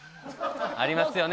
ありますよね。